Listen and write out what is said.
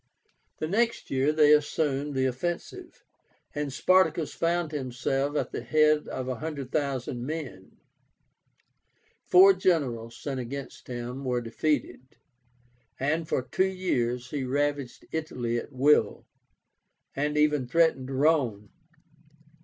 The next year they assumed the offensive; and Spartacus found himself at the head of 100,000 men. Four generals sent against him were defeated; and for two years he ravaged Italy at will, and even threatened Rome.